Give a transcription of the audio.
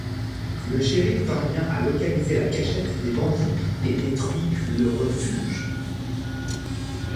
Le shérif parvient à localiser la cachette des bandits et détruit le refuge.